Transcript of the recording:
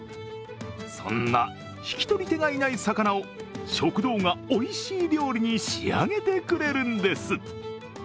そんな引き取り手がいない魚を食堂がおいしい料理に仕上げてくれるんです。